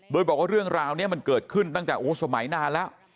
โดยบอกว่าเรื่องราวนี้มันเกิดขึ้นตั้งแต่สมัยนานแล้ว